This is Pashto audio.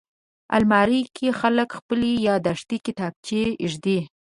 الماري کې خلک خپلې یاداښتې کتابچې ایږدي